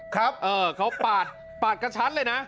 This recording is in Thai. ครับเออเขาปาดกระชัดเลยนะ